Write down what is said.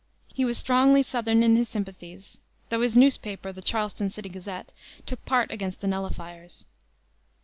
He was strongly southern in his sympathies, though his newspaper, the Charleston City Gazette, took part against the Nullifiers.